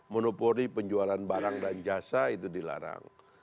monopori penjualan barang dan jasa itu dilarang